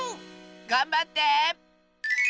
がんばって！